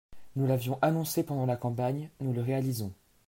Nous l’avions annoncé pendant la campagne, nous le réalisons.